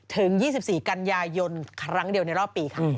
ถึง๒๔กันยายนครั้งเดียวในรอบปีค่ะ